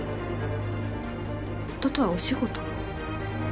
夫とはお仕事の？